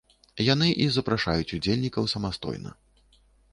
Яны і запрашаюць удзельнікаў самастойна.